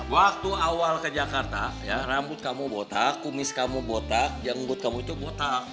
waktu awal ke jakarta rambut kamu botak kumis kamu botak jenggut kamu itu botak